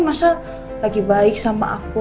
mas al lagi baik sama aku